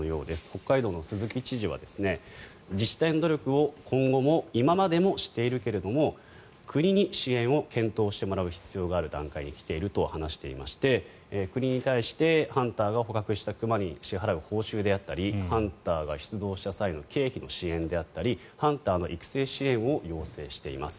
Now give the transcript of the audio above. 北海道の鈴木知事は自治体の努力を今後も今までもしているけども国に支援を検討してもらう必要がある段階に来ていると話していまして国に対してハンターが捕獲した熊に支払う報酬であったりハンターが出動した際の経費の支援であったりハンターの育成支援を要請しています。